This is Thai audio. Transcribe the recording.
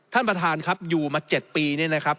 ท่านประธานครับอยู่มา๗ปีนี่นะครับ